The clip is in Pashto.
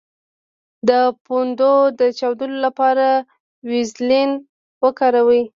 د پوندو د چاودیدو لپاره ویزلین وکاروئ